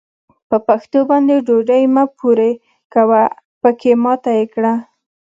په پښو باندې ډوډۍ مه پورې کوه؛ پکې ماته يې کړه.